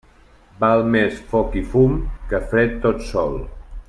Val més foc i fum que fred tot sol.